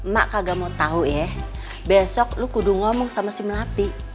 mak kagak mau tau ya besok lu kudu ngomong sama si melati